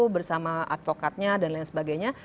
bersama advokatnya dan lain sebagainya